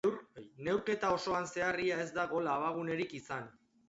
Neurketa osoan zehar ia ez da gol abagunerik izan.